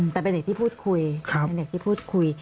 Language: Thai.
แต่เป็นเด็กที่พูดคุยเป็นเด็กที่พูดคุย